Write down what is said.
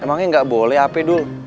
emangnya gak boleh apa dul